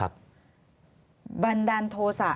บันดาลโทษะ